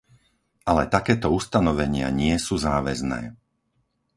Ale takéto ustanovenia nie sú záväzné.